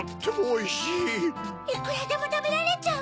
いくらでもたべられちゃうわ！